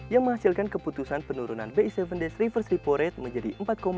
yang menghasilkan keputusan penurunan bi tujuh days reverse repo rate menjadi empat lima